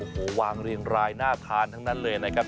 โอ้โหวางเรียงรายน่าทานทั้งนั้นเลยนะครับ